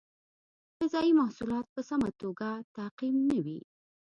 غذایي محصولات په سمه توګه تعقیم نه وي.